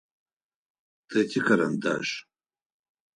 Тэ тикарандаш.